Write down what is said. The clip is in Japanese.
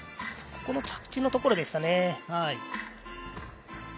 ここの着地のところでしたね。